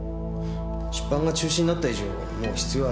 出版が中止になった以上もう必要ありませんから。